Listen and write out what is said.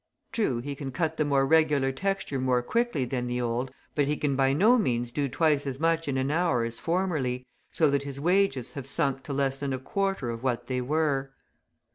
true, he can cut the more regular texture more quickly than the old, but he can by no means do twice as much in an hour as formerly, so that his wages have sunk to less than a quarter of what they were.